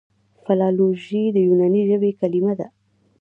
فلالوژي د یوناني ژبي کليمه ده.